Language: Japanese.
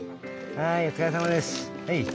はいお疲れさまです。